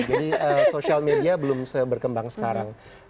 jadi social media belum seberkembang sekarang